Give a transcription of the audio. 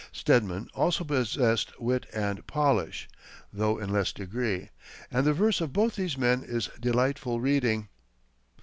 Stedman also possessed wit and polish, though in less degree, and the verse of both these men is delightful reading.